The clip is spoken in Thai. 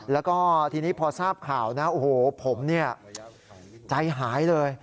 แล้วก็ทีนี้พอทราบข่าวนะโอ้โหผมใจหายเลย